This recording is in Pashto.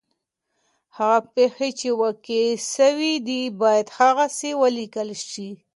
هغه پېښې چي واقع سوي دي باید هغسي ولیکل سي.